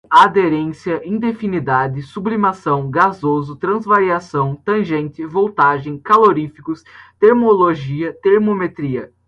aderência, indefinidade, sublimação, gasoso, transvariação, tangente, voltagem, caloríficos, termologia, termometria